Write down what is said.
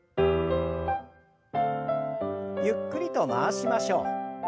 ゆっくりと回しましょう。